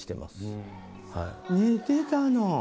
寝てたの。